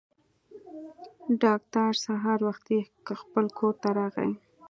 ډاکټر سهار وختي خپل کور ته راغی.